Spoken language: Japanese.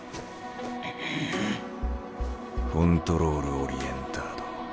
コントロールオリエンタード。